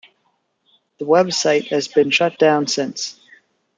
The website has been shutdown since.